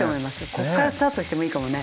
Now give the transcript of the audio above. こっからスタートしてもいいかもね。